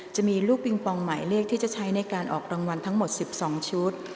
จะมีลูกปิงปองหมายเลขที่จะใช้ในการออกรางวัลทั้งหมด๑๒ชุด